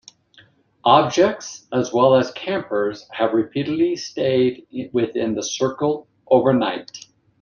Objects as well as campers have repeatedly stayed within the circle overnight.